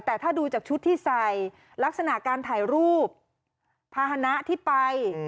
แต่ถ้าดูจากชุดที่ใส่ลักษณะการถ่ายรูปภาษณะที่ไป